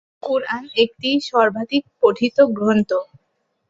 কুরআন একটি সর্বাধিক পঠিত গ্রন্থ।